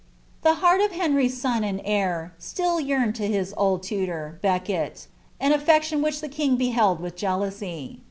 The heart of Heiirj's son and lieir siill yearned to his old tutor, Irrkel — an allection which the king beheld with jealousy.